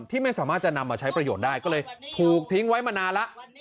ที่ไม่สามารถจะนำมาใช้ประโยชน์ได้ก็เลยถูกทิ้งไว้มานานแล้ว